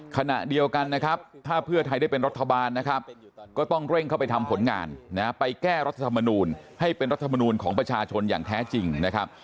ขณะเดียวกันนะครับถ้าเพื่อไทยได้เป็นรัฐบาลนะครับก็ต้องเร่งเข้าไปทำผลงานนะไปแก้รัฐธรรมนูลให้เป็นรัฐมนูลของประชาชนอย่างแท้จริงนะครับ